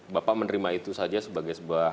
bapak menerima itu saja sebagai sebuah